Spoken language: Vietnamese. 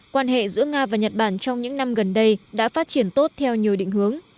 quan hệ giữa nga và nhật bản trong những năm gần đây đã phát triển tốt theo nhiều định hướng